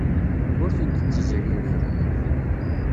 Ur tent-ttezririɣ.